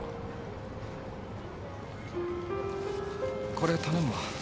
これ頼むわ。